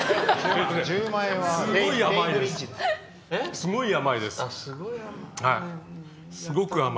すごい甘いです。